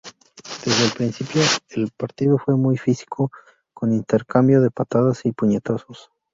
Desde el principio, el partido fue muy físico, con intercambio de patadas y puñetazos.